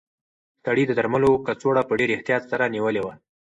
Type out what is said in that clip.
سړي د درملو کڅوړه په ډېر احتیاط سره نیولې وه.